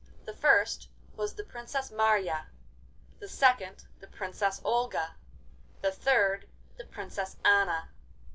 The first was the Princess Marya, the second the Princess Olga, the third the Princess Anna.